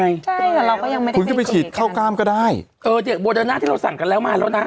ใช่แต่เราก็ยังไม่ได้คุณก็ไปฉีดเข้ากล้ามก็ได้เออเนี้ยโบเดินหน้าที่เราสั่งกันแล้วมาแล้วนะ